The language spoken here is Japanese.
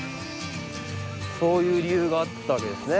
そういう理由があったわけですね。